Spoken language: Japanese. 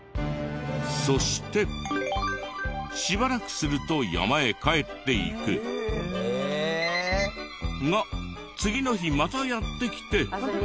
そしてしばらくすると山へ帰っていく。が次の日またやって来て。